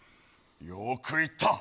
よく言った。